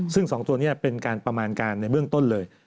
ซึ่ง๒ตัวนี้เป็นการประมาณการในเบื้องต้นเลย